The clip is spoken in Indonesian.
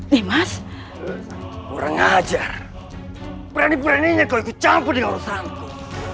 nimas orang ajar peran peraninya kau ikut campur dengan orang seramku